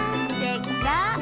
できた！